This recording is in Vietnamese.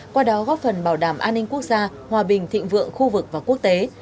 qua đó góp phần bảo đảm an ninh quốc gia hòa bình thịnh vượng khu vực và quốc tế